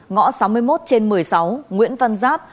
ngõ sáu mươi một trên một mươi sáu nguyễn văn giáp